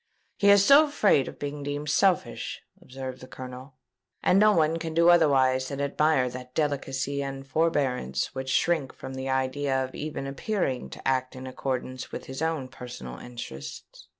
"He is so afraid of being deemed selfish," observed the Colonel; "and no one can do otherwise than admire that delicacy and forbearance which shrink from the idea of even appearing to act in accordance with his own personal interests.